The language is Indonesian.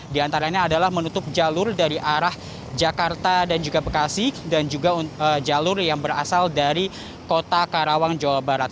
di antaranya adalah menutup jalur dari arah jakarta dan juga bekasi dan juga jalur yang berasal dari kota karawang jawa barat